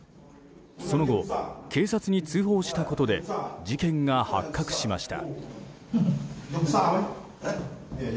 その後、警察に通報したことで事件が発覚しました。